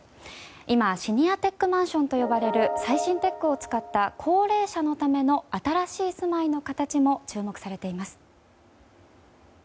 今、シニアテックマンションと呼ばれる最新テックを使った高齢者のための新しい住まいの形も注目されています。